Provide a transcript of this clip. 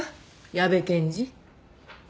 矢部検事。